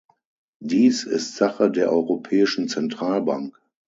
Dies ist Sache der Europäischen Zentralbank.